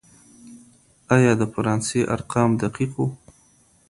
آيا د فرانسې ارقام دقيق وو؟